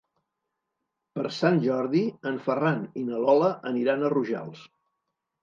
Per Sant Jordi en Ferran i na Lola aniran a Rojals.